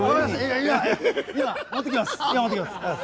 今持ってきます。